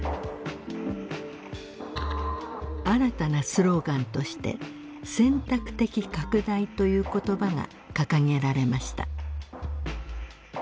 新たなスローガンとして選択的拡大という言葉が掲げられました。